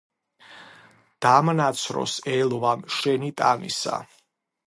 დამნაცროს ელვამ შენი ტანისა.